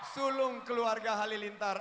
sulung keluarga halilintar